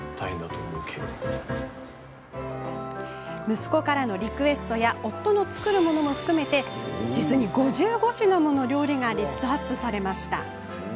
息子からのリクエストや夫の作るものも含めて５５品もの料理がリストアップされました。